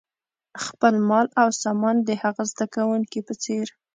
خپل مال او سامان د هغه زده کوونکي په څېر.